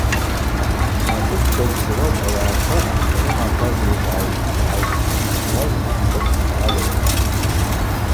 Ацӏыквква зтиуаз ауагӏаква ахча рыма атажв йлызгӏайхтӏ, йгӏалпшын, атажв хцӏыквкӏ гӏалылхтӏ.